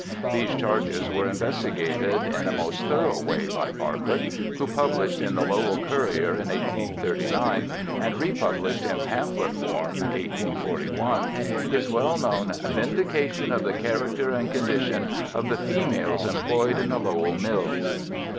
These charges were investigated in a most thorough way by Bartlett, who published in the Lowell Courier in 1839, ^"^^ republished in pamphlet form (1841) his well known Vindication of the Character and Condition of the Females Employed in the Lowell Mills.